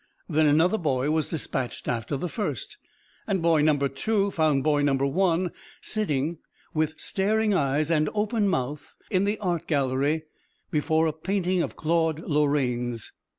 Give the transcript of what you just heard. Then another boy was dispatched after the first, and boy Number Two found boy Number One sitting, with staring eyes and open mouth, in the art gallery before a painting of Claude Lorraine's.